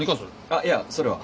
あっいやそれは。